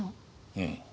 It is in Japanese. うん。